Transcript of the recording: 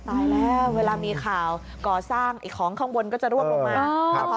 ตายแล้วเวลามีข่าวก่อสร้างไอ้ของข้างบนก็จะร่วงลงมา